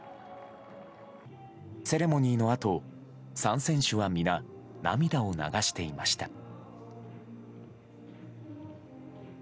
セレモニーのあと３選手は皆、涙を流していました。